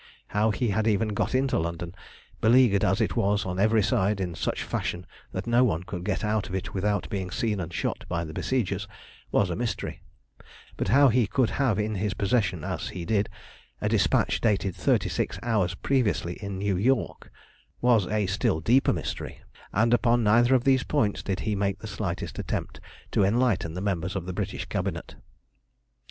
How he had even got into London, beleaguered as it was on every side in such fashion that no one could get out of it without being seen and shot by the besiegers, was a mystery; but how he could have in his possession, as he had, a despatch dated thirty six hours previously in New York was a still deeper mystery; and upon neither of these points did he make the slightest attempt to enlighten the members of the British Cabinet.